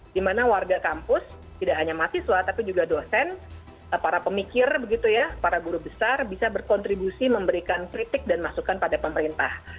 di mana warga kampus tidak hanya mahasiswa tapi juga dosen para pemikir begitu ya para guru besar bisa berkontribusi memberikan kritik dan masukan pada pemerintah